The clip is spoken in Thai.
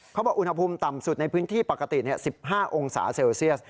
อุณหภูมิต่ำสุดในพื้นที่ปกติ๑๕องศาเซลเซียส